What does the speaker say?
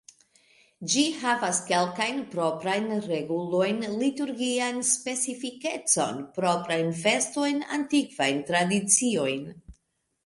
Ĝi havas kelkajn proprajn regulojn, liturgian specifikecon, proprajn festojn, antikvajn tradiciojn.